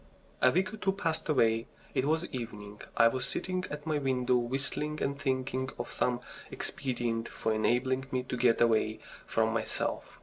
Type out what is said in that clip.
A week or two passed away. It was evening. I was sitting at my window whistling and thinking of some expedient for enabling me to get away from myself.